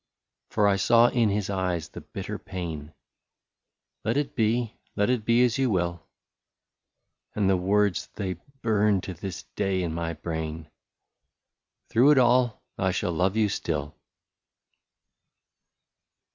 For I saw in his eyes the bitter pain, —" Let it be, let it be, as you will ;" And the words, they burn to this day in my brain, —'' Through it all, I shall love you still."